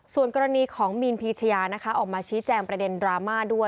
ส่วนกรณีของมีนพีชยานะคะออกมาชี้แจงประเด็นดราม่าด้วย